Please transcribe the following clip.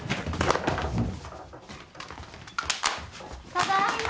ただいま。